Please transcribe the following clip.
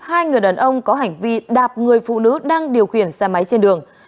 hai người đàn ông có hành vi đạp người phụ nữ đang điều khiển xe máy trên đường